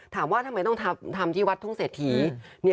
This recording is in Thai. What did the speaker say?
ถามว่าทำไมต้องทำที่วัดทุ่งเศรษฐี